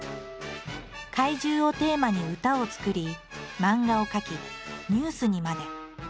怪獣をテーマに歌を作り漫画を描きニュースにまで。